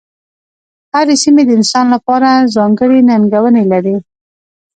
هرې سیمې د انسان لپاره ځانګړې ننګونې لرلې.